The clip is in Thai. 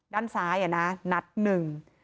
ด้านซ้ายนัดหนึ่ง